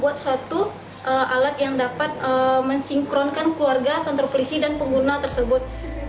buat suatu alat yang dapat mensinkronkan keluarga kontropolisi dan pengguna tersebut